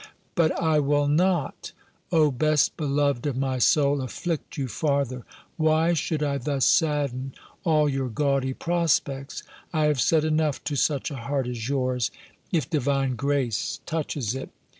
"But I will not, O best beloved of my soul, afflict you farther. Why should I thus sadden all your gaudy prospects? I have said enough to such a heart as yours, if Divine grace touches it.